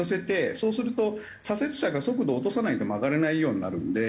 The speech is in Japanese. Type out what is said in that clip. そうすると左折車が速度を落とさないと曲がれないようになるので。